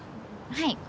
はい。